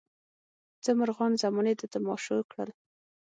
څه مرغان زمانې د تماشو کړل.